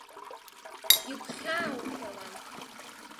Игәхьааумгалан.